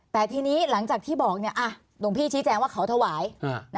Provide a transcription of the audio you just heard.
แต่ทีนี้หลังจากที่บอกหลวงพี่ชี้แจงว่าเขาถวาย